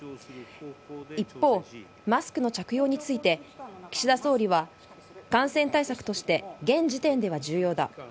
一方、マスクの着用について、岸田総理は、感染対策として、現時点では重要だ。